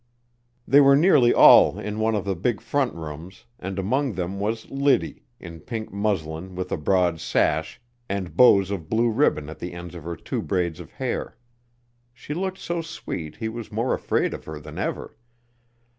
They were nearly all in one of the big front rooms, and among them was Liddy, in pink muslin with a broad sash, and bows of blue ribbon at the ends of her two braids of hair. She looked so sweet he was more afraid of her than ever.